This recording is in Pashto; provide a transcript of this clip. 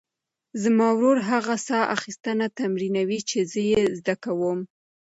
زما ورور هغه ساه اخیستنه تمرینوي چې زه یې زده کوم.